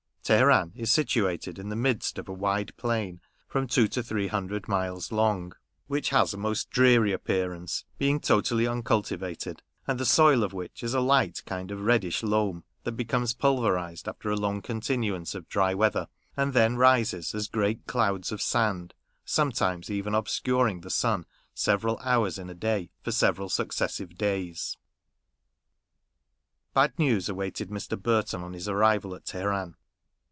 Teheran is situated in the midst of a wide plain, from two to three hundred miles long, which has a most dreary appearance, being totally uncultivated, and the soil of which is a light kind of reddish loam, that becomes pulverised after a long continuance of dry weather, and then rises as great clouds of sand, sometimes even obscuring the sun several hours in a day for several successive days. Bad news awaited Mr. Burton on his arrival at Teheran.